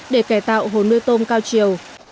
để kẻ tạo hồ nuôi tôm cao chiều